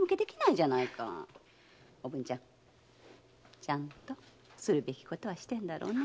おぶんちゃん。ちゃんとするべきことはしてんだろうね？